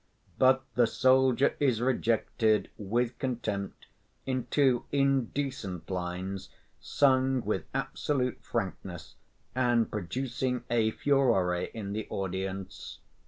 But the soldier is rejected with contempt, in two indecent lines, sung with absolute frankness and producing a furore in the audience.